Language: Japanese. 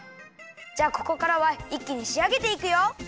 じゃあここからはいっきにしあげていくよ。